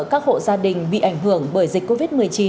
các hộ gia đình bị ảnh hưởng bởi dịch covid một mươi chín